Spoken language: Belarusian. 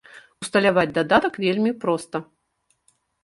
Усталяваць дадатак вельмі проста.